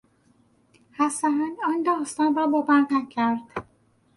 حسن آن داستان را باور نکرد.